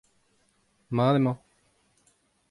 mat emañ.